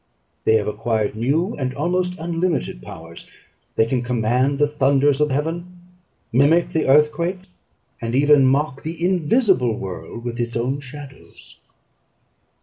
They have acquired new and almost unlimited powers; they can command the thunders of heaven, mimic the earthquake, and even mock the invisible world with its own shadows."